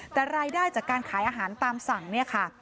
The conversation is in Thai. แต่รายได้จากการขายอาหารตามสั่งเนี่ยค่ะ